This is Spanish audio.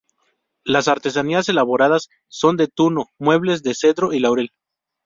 Las artesanía elaboradas son de tuno, muebles de cedro y laurel.